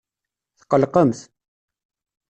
Tqellqemt.